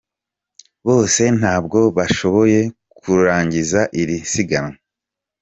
Bose ntabwo bashoboye kurangiza iri siganwa.